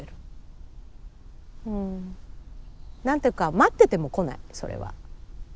何て言うか待っててもこないそれは。